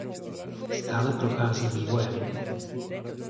Stále prochází vývojem.